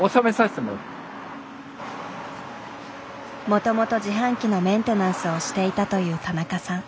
もともと自販機のメンテナンスをしていたという田中さん。